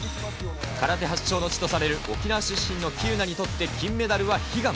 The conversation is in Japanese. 空手発祥の地とされる沖縄出身の喜友名にとって、金メダルは悲願。